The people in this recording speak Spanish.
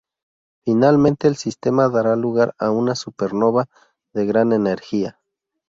Finalmente el sistema dará lugar a una supernova de gran energía.